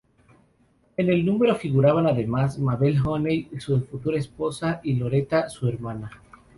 En el número figuraban además Mabel Haney, su futura esposa, y Loretta, su hermana.